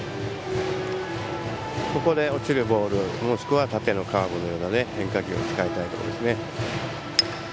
ここで落ちるボールもしくは縦のカーブのような変化球を使いたいですね。